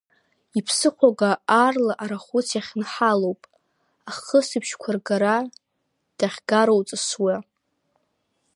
Иԥсы хәага аарла арахәыц иахьынҳалоуп, ахысбыжьқәа ргара дахьгароу дҵысуа.